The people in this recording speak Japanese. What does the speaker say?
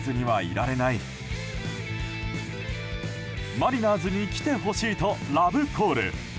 マリナーズに来てほしいとラブコール。